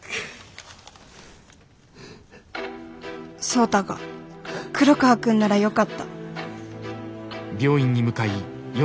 「創太が黒川君ならよかった」。